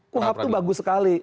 kuhab itu bagus sekali